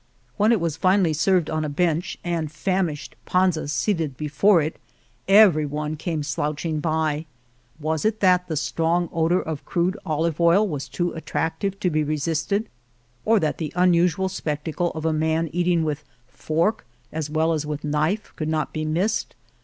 When it was finally served on a bench and famished Panza seated before it, every one came slouching by. Was it that the strong odor Argamasilla of crude olive oil was too attractive to be resisted or that the unusual spectacle of a man eating with fork as well as with knife could not be missed